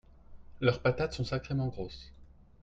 leurs patates sont sacrément grosses.